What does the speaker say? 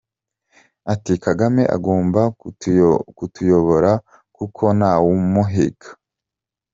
Ati "Kagame agomba kutuyoboa kuko ntawamuhiga.